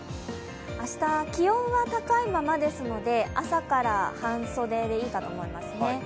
明日、気温は高いままですので、朝から半袖でいいかと思いますね。